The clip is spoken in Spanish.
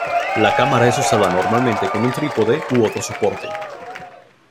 La cámara es usada normalmente con un trípode u otro soporte.